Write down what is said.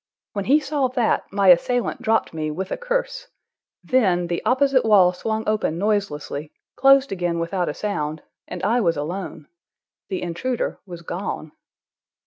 When he saw that, my assailant dropped me with a curse; then—the opposite wall swung open noiselessly, closed again without a sound, and I was alone. The intruder was gone.